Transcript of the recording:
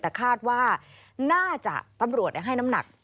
แต่คาดว่าน่าจะตำรวจให้น้ำหนัก